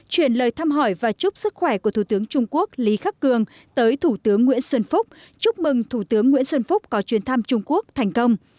chuyển lời thăm hỏi và chúc sức khỏe của thủ tướng trung quốc lý khắc cường tới thủ tướng nguyễn xuân phúc chúc mừng thủ tướng nguyễn xuân phúc có chuyến thăm trung quốc thành công